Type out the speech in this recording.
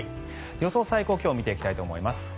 予想最高気温を見ていきたいと思います。